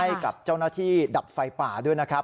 ให้กับเจ้าหน้าที่ดับไฟป่าด้วยนะครับ